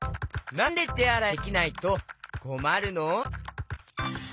なんでてあらいができないとこまるの？